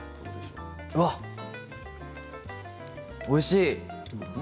おいしい。